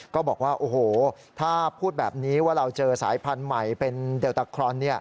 ก็บอกว่าโอ้โหถ้าพูดแบบนี้ว่าเราเจอสายพันธุ์ใหม่เป็นเดลตาครอน